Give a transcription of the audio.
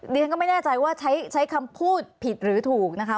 เรียนก็ไม่แน่ใจว่าใช้คำพูดผิดหรือถูกนะคะ